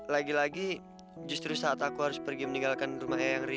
lagi lagi justru saat aku harus pergi meninggalkan rumah eyang ria